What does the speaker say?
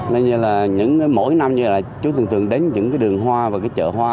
nên như là những mỗi năm như là chú thường thường đến những cái đường hoa và cái chợ hoa